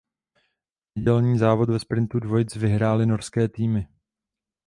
Nedělní závod ve sprintu dvojic vyhrály norské týmy.